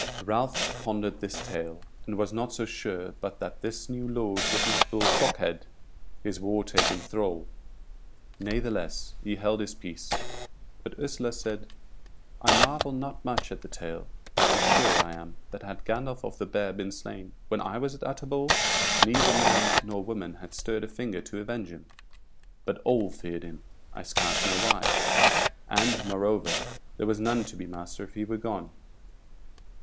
Ralph pondered this tale, and was not so sure but that this new lord was not Bull Shockhead, his wartaken thrall; natheless he held his peace; but Ursula said: "I marvel not much at the tale, for sure I am, that had Gandolf of the Bear been slain when I was at Utterbol, neither man nor woman had stirred a finger to avenge him. But all feared him, I scarce know why; and, moreover, there was none to be master if he were gone."